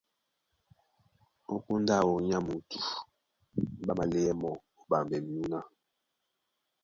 Ó póndá áō nyá muútú, ɓá maléɛ́ mɔ́ ó ɓambɛ myǔná.